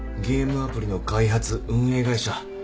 ゲームアプリの開発・運営会社。